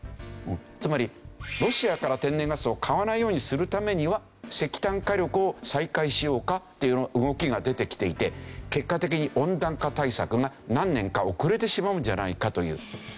つまりロシアから天然ガスを買わないようにするためには石炭火力を再開しようかというような動きが出てきていて結果的に温暖化対策が何年か遅れてしまうんじゃないかという。